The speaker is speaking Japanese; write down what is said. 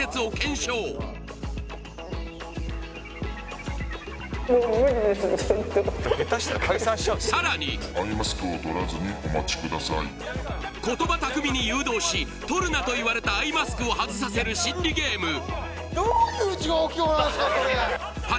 ちょっとさらに言葉巧みに誘導し取るなといわれたアイマスクを外させる心理ゲームどういう状況なんすかそれ！？